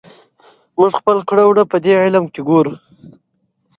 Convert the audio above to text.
موږ خپل کړه وړه پدې علم کې ګورو.